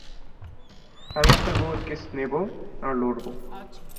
আমি আপনার বউয়ের কেস নেবো, আর লড়বো।